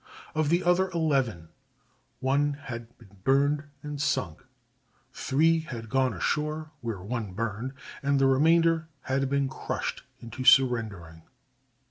Of the other eleven one had been burned and sunk, three had gone ashore, where one burned, and the remainder had been crushed into surrendering.